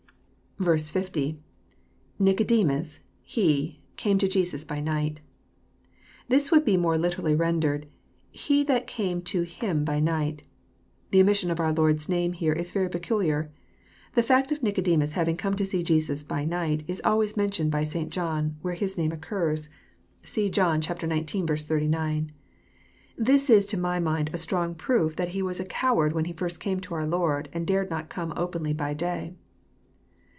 50. — lNicodemu8.„he,„came to Jesus by night.'] This would be more literally rendered, "He that c^me to Him by night." The omission of our Lord's name here is very peculiar.— The fact of Nicodemus having come to see Jesus by night " is always mentioned by St. John, where Hi^ name occurs. (See , 58 EXPOsrroUT thoughts. Jobn x!x. 89.) It is to my mind a strong proof that he was a coward when he first came to oar Lord, and dared not come openly by day.